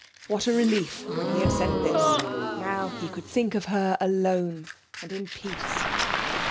What a relief when he had sent this now he could think of her alone in peace....